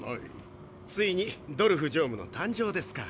ついにドルフ常務の誕生ですか？